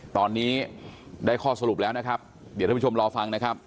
ตอนนี้ได้ข้อสรุปแล้วนะครับเดี๋ยวท่านผู้ชมรอฟังนะครับ